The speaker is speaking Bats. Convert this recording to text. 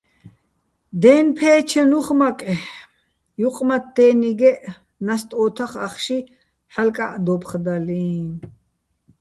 დენფე́ჩენ უ̂ხ მაკე̆, ჲუყმათთდე́ნიგეჸ ნასტ ო́თახ ახში ჰ̦ალკა́ჸ დოფხდალიჼ.